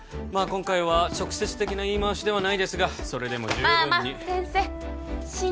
今回は直接的な言い回しではないですがそれでも十分にまあまあ先生